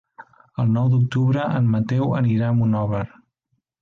El nou d'octubre en Mateu anirà a Monòver.